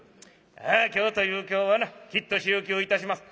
ああ今日という今日はなきっと仕置きをいたします。